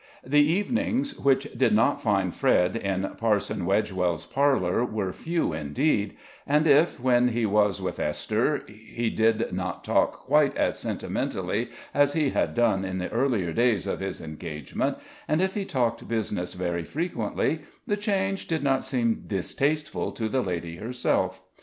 The evenings which did not find Fred in Parson Wedgewell's parlor were few indeed, and if, when he was with Esther, he did not talk quite as sentimentally as he had done in the earlier days of his engagement, and if he talked business very frequently, the change did not seem distasteful to the lady herself.